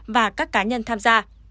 và các cá nhân tham gia